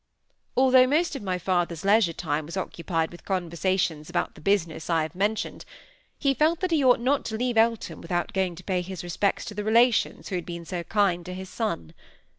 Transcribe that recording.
Although most of my father's leisure time was occupied with conversations about the business I have mentioned, he felt that he ought not to leave Eltham without going to pay his respects to the relations who had been so kind to his son.